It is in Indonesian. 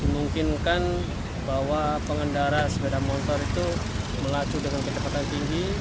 memungkinkan bahwa pengendara sepeda motor itu melaju dengan kecepatan tinggi